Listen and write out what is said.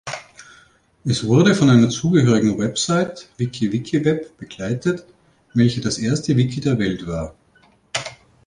Es wurde von einer zugehörigen Website, WikiWikiWeb, begleitet, welche das erste Wiki der Welt war.